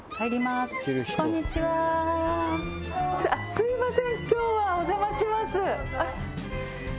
すみません今日はお邪魔します。